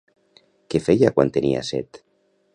Què feia quan tenia set?